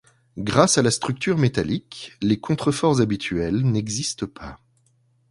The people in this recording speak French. Grâce à la structure métallique, les contreforts habituels n'existent pas.